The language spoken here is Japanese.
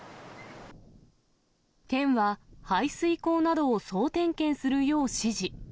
県は排水溝などを総点検するよう指示。